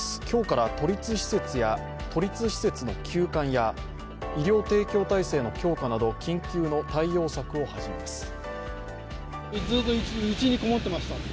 今日から都立施設の休館や医療提供体制の強化など緊急の対応策を始めます。